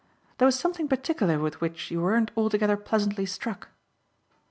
"There was something particular with which you weren't altogether pleasantly struck."